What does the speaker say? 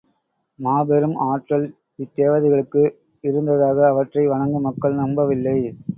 மாபெரும் ஆற்றல், இத்தேவதைகளுக்கு இருந்ததாக அவற்றை வணங்கும் மக்கள் நம்பவில்லை.